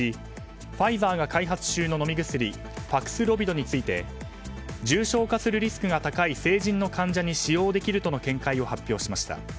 ファイザーが開発中の飲み薬パクスロビドについて重症化するリスクが高い成人の患者に使用できるとの見解を発表しました。